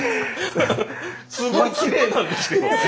すごいきれいなんですよ！